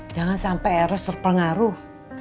jangan sampe eros terpengaruh